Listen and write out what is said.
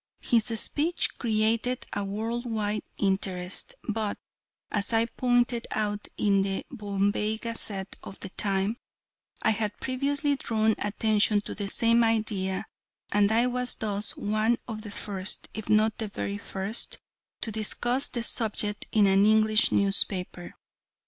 His speech created a world wide interest, but, as I pointed out in the Bombay Gazette of the time, I had previously drawn attention to the same idea, and I was thus one of the first, if not the very first, to discuss the subject in an English newspaper.